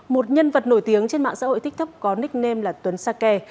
một nhân vật nổi tiếng trên mạng xã hội tiktok có nickname là tuấn sa ke